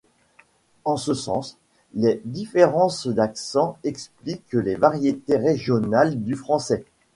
En ce sens, les différences d'accents expliquent les variétés régionales du français.